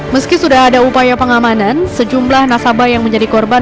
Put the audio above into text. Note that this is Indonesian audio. meski sudah ada upaya pengamanan sejumlah nasabah yang menjadi korban